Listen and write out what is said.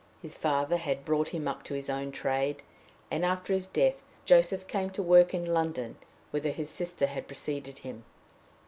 His father had brought him up to his own trade, and, after his death, Joseph came to work in London, whither his sister had preceded him.